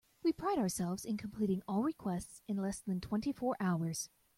We pride ourselves in completing all requests in less than twenty four hours.